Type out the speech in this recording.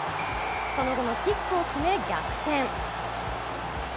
その後のキックを決め、逆転。